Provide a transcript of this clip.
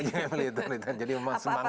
iya militer jadi memang semangatnya